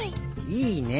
いいね！